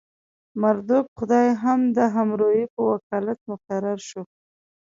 مردوک خدای هم د حموربي په وکالت مقرر شو.